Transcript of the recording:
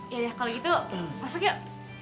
yaudah kalau gitu masuk yuk